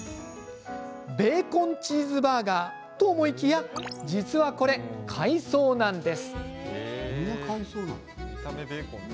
ベーコンチーズバーガーと思いきや実はこれ海藻なんです。